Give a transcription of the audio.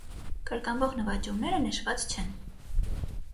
Կրկնվող նվաճումները նշված չեն։